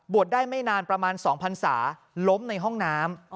บวชได้ไม่นานประมาณ๒๐๐๐สาวล้มในห้องน้ำ